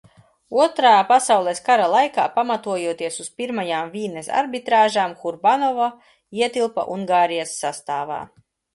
Otrā pasaules kara laikā, pamatojoties uz Pirmajām Vīnes arbitrāžām, Hurbanovo ietilpa Ungārijas sastāvā.